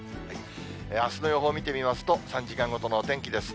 あすの予報見てみますと、３時間ごとのお天気です。